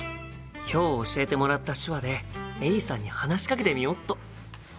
今日教えてもらった手話でエリさんに話しかけてみよっと！